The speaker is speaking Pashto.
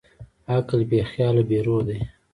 عقل بېخیاله بېروحه دی.